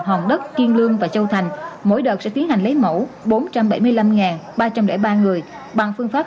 hòn đất kiên lương và châu thành mỗi đợt sẽ tiến hành lấy mẫu bốn trăm bảy mươi năm ba trăm linh ba người bằng phương pháp